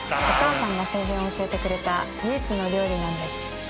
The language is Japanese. お母さんが生前教えてくれた唯一の料理なんです。